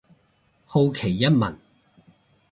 好奇一問